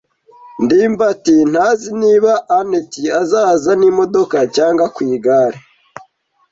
ndimbati ntazi niba anet azaza n'imodoka cyangwa ku igare.